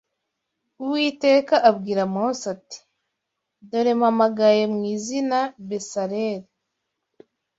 Uwiteka abwira Mose ati: ‘Dore, mpamagaye mu izina Besaleli